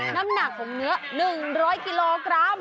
น้ำหนักของเนื้อ๑๐๐กิโลกรัม